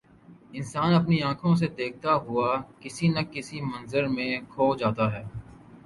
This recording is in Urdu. انسان اپنی آنکھوں سے دیکھتا ہوا کسی نہ کسی منظر میں کھو جاتا ہے۔